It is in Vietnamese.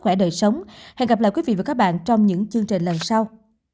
hẹn gặp lại các bạn trong những chương trình lần sau